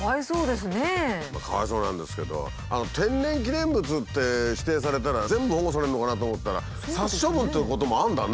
かわいそうなんですけど天然記念物って指定されたら全部保護するのかなと思ったら殺処分ってこともあるんだね。